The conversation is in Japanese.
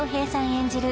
演じる